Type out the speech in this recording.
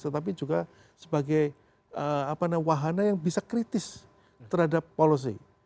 tetapi juga sebagai wahana yang bisa kritis terhadap policy